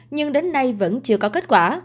nhưng đến nay vẫn chưa có kết quả